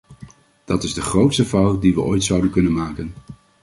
Dat is de grootste fout die we ooit zouden kunnen maken!